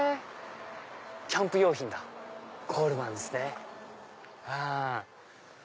キャンプ用品だコールマンですね。